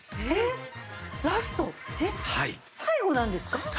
えっ最後なんですか？